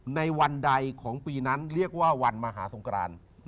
ในวันใดของปีนั้นเรียกว่าวันมหาสงคราน